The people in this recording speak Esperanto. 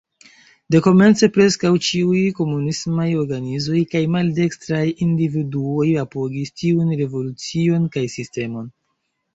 Dekomence preskaŭ ĉiuj komunismaj organizoj kaj maldekstraj individuoj apogis tiujn revolucion kaj sistemon.